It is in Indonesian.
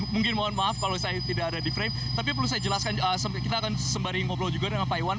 mungkin mohon maaf kalau saya tidak ada di frame tapi perlu saya jelaskan kita akan sembari ngobrol juga dengan pak iwan